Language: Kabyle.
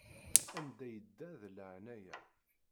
Anda yedda, d laɛnaya.